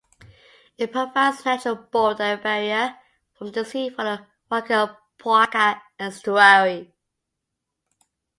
It provides a natural boulder barrier from the sea for the Wakapuaka estuary.